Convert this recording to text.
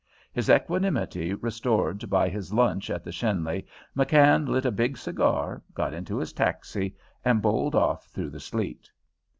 His equanimity restored by his lunch at the Schenley, McKann lit a big cigar, got into his taxi, and bowled off through the sleet.